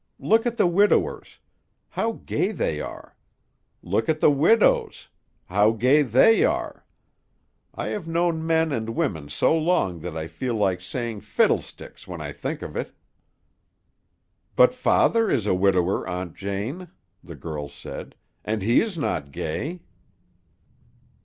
Look at the widowers; how gay they are! Look at the widows; how gay they are! I have known men and women so long that I feel like saying fiddlesticks when I think of it." "But father is a widower, Aunt Jane," the girl said, "and he is not gay."